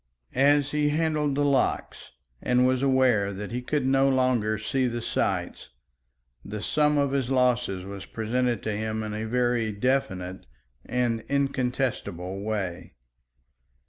As he handled the locks, and was aware that he could no longer see the sights, the sum of his losses was presented to him in a very definite and incontestable way.